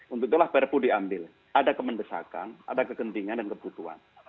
untuk itulah perpu diambil ada kemendesakan ada kegentingan dan kebutuhan